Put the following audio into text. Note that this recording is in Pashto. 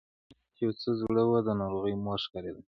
دويمه مېرمنه چې يو څه زړه وه د ناروغې مور ښکارېده.